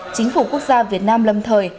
chính phủ quốc gia việt nam lâm thời